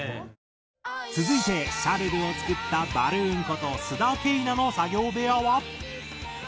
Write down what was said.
続いて『シャルル』を作ったバルーンこと須田景凪の作業部屋は？